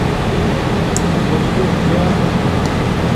خوش شس جا